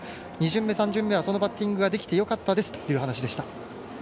２巡目、３巡目はそのバッティングができてよかったですという話でした。